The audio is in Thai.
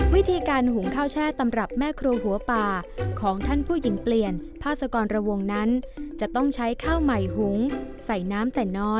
วิธีการหุงข้าวแช่ตำรับแม่ครัวหัวป่าของท่านผู้หญิงเปลี่ยนพาสกรระวงนั้นจะต้องใช้ข้าวใหม่หุงใส่น้ำแต่น้อย